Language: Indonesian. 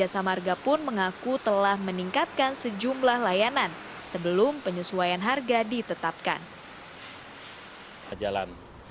jasa marga pun mengaku telah meningkatkan sejumlah layanan sebelum penyesuaian harga ditetapkan